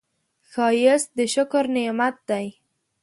ښایست د شکر نعمت دی